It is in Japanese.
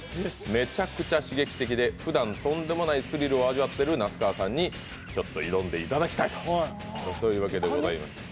めちゃくちゃ刺激的で、ふだんとんでもないスリルを味わっている那須川さんにちょっと挑んでいただきたいと、そういうわけでございます。